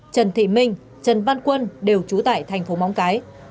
trần thị minh trần văn quân đều trú tại thành phố móng cái